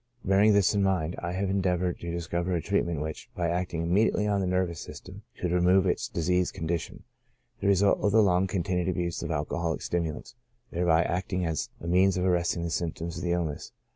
Bearing this in mind, I have endeavored to discover a treatment which, by acting immediately on the nervous system, should remove its diseased condition, the result of the long continued abuse of alcoholic stimulants, thereby acting as a means of arresting the symptoms of the illness.